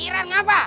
ya pikiran apa